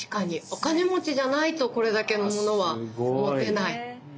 お金持ちじゃないとこれだけのものは持てない。